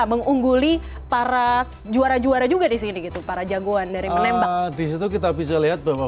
mengungguli para juara juara juga disini gitu para jagoan dari menembak disitu kita bisa lihat bahwa